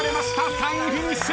３位フィニッシュ！